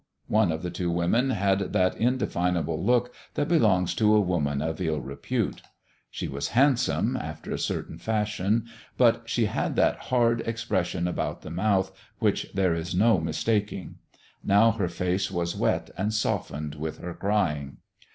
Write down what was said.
One of the two women had that indefinable look that belongs to a woman of ill repute. She was handsome, after a certain fashion, but she had that hard expression about the mouth which there is no mistaking. Now her face was wet and softened with her crying.